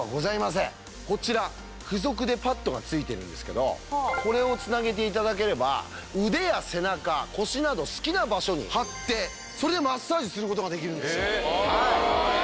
こちらこれをつなげていただければ腕や背中腰など好きな場所に貼ってそれでマッサージすることができるんですよ